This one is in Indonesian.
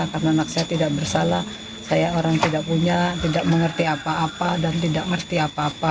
karena anak saya tidak bersalah saya orang tidak punya tidak mengerti apa apa dan tidak mengerti apa apa